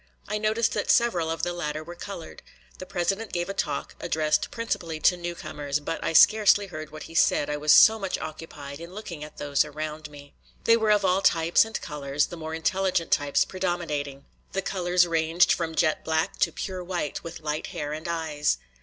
I noticed that several of the latter were colored. The president gave a talk addressed principally to newcomers; but I scarcely heard what he said, I was so much occupied in looking at those around me. They were of all types and colors, the more intelligent types predominating. The colors ranged from jet black to pure white, with light hair and eyes.